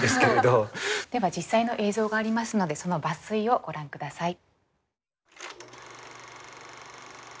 では実際の映像がありますのでその抜粋をご覧下さい。